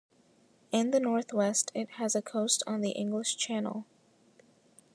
In the northwest, it has a coast on the English Channel.